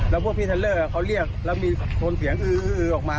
แล้วพวกพี่เทลเลอร์เขาเรียกแล้วมีคนเสียงอื้อออกมา